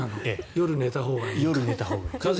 夜寝たほうがいいのか。